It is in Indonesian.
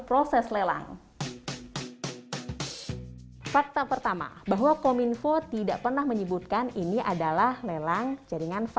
proses lelang fakta pertama bahwa kominfo tidak pernah menyebutkan ini adalah lelang jaringan